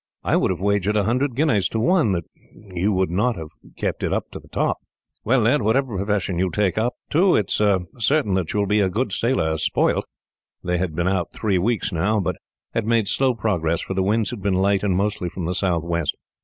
I would have wagered a hundred guineas to one that you would not have kept it up to the top. "Well, lad, whatever profession you take to, it is certain that you will be a good sailor spoilt." They had now been three weeks out, but had made slow progress, for the winds had been light, and mostly from the southwest.